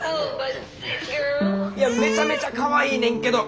いやめちゃめちゃかわいいねんけど。